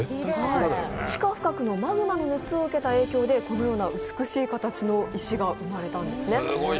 地下深くのマグマの熱を受けた影響でこのような美しい形の石が生まれたんですね。